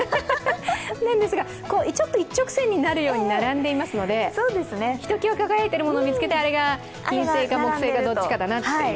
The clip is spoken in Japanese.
一直線になるように並んでいますので、ひときわ輝いているものを見つけて、あれが金星か木星かどっちかだなと。